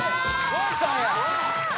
ゴンさんや！